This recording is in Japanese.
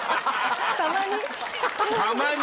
たまに。